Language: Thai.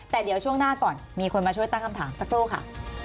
แต่เดี๋ยวช่วงหน้าก่อนมีคนมาช่วยตั้งคำถามสักครู่ค่ะ